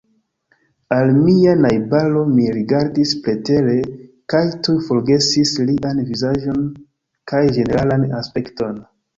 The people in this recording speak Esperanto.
Al mia najbaro mi rigardis pretere, kaj tuj forgesis lian vizaĝon kaj ĝeneralan aspekton.